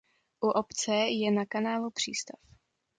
U obce je na kanálu přístav.